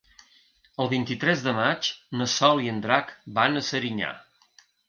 El vint-i-tres de maig na Sol i en Drac van a Serinyà.